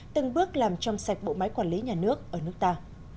từng bước làm trong sạch bộ máy quản lý nhà nước ở nước ta